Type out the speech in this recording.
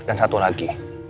dan satu lagi